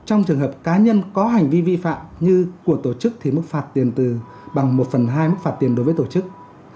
trong trường hợp cá nhân có hành vi vi phạm như của tổ chức thì mức phạt tiền từ bằng một phần hai mức phạt tiền đối với tổ chức